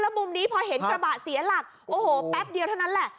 มุมนี้พอเห็นกระบะเสียหลักโอ้โหแป๊บเดียวเท่านั้นแหละ